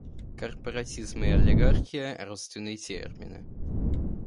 Корпоратизм и олигархия - родственные термины.